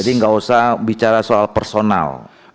jadi tidak usah bicara soal personal